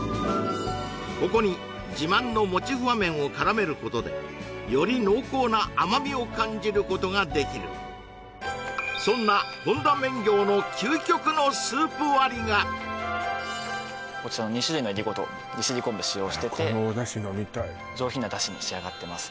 ここに自慢のモチフワ麺を絡めることでより濃厚な甘みを感じることが出来るそんな本田麺業の究極のスープ割りがこちらの２種類のいりこと利尻昆布使用してて上品な出汁に仕上がってます